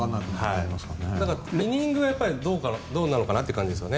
イニングはどうなのかなという感じですよね。